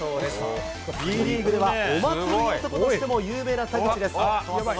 Ｂリーグでは、お祭り男としても有名な田口ですが。